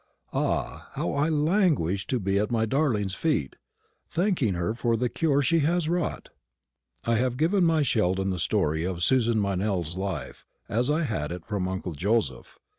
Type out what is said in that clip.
Ah, how I languish to be at my darling's feet, thanking her for the cure she has wrought! I have given my Sheldon the story of Susan Meynell's life, as I had it from uncle Joseph.